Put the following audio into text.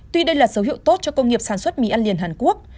tuy đây là dấu hiệu tốt cho công nghiệp sản xuất mì ăn liền hàn quốc